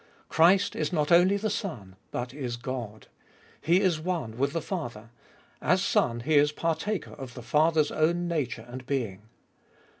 Christ is not only the Son, but is God. He is one with the Father : as Son He is partaker of the Father's own nature and being.